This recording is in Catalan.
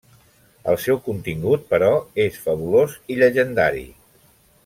El seu contingut, però, és fabulós i llegendari.